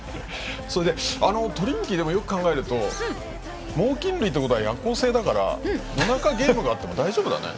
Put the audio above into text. トリンキー、よく考えると猛禽類ということは夜行性だから夜中ゲームがあっても大丈夫だね。